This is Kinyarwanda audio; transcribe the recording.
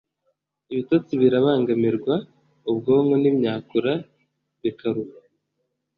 ibitotsi birabangamirwa, ubwonko n’imyakura bikaruha,